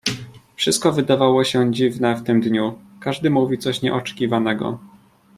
"Wszystko wydawało się dziwne w tym dniu; każdy mówił coś nieoczekiwanego."